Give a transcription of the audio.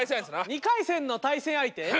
２回戦の対戦相手？